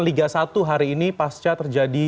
liga satu hari ini pasca terjadi